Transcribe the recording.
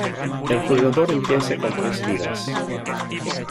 El jugador empieza con tres vidas.